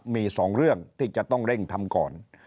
มี๒เรื่องที่จะต้องเร่งทำก่อน